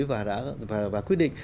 và đã quyết định